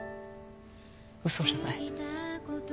嘘じゃない。